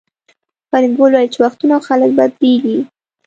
فریدګل وویل چې وختونه او خلک بدلیږي